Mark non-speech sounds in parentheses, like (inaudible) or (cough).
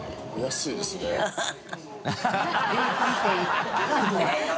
ハハハ (laughs)